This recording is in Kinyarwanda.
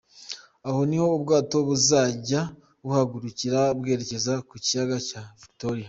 Aho niho ubwato buzajya buhagurukira bwerekeza ku Kiyaga cya Victoria.